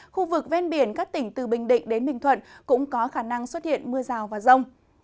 khu vực ven biển các tỉnh từ bình định đến bình thuận cũng có khả năng xuất hiện mưa rào và rông